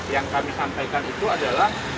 yang kami sampaikan itu adalah